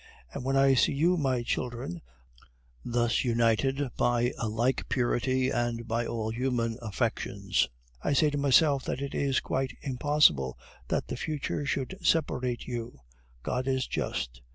"And when I see you, my children, thus united by a like purity and by all human affections, I say to myself that it is quite impossible that the future should separate you. God is just."